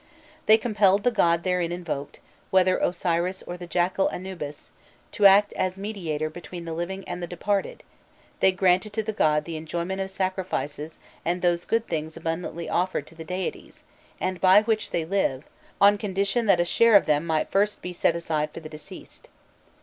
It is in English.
They compelled the god therein invoked, whether Osiris or the jackal Anubis, to act as mediator between the living and the departed; they granted to the god the enjoyment of sacrifices and those good things abundantly offered to the deities, and by which they live, on condition that a share of them might first be set aside for the deceased.